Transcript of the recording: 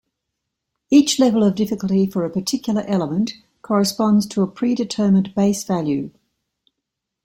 Each level of difficulty for a particular element corresponds to a pre-determined base value.